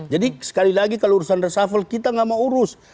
jadi sekali lagi kalau urusan resafel kita gak mau urus